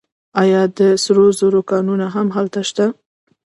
آیا د سرو زرو کانونه هم هلته نشته؟